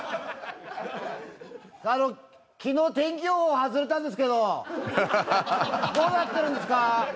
あの昨日天気予報外れたんですけどどうなってるんですか？